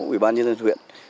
ủy ban nhân dân huyện